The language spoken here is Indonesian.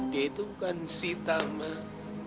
dia itu bukan sita mas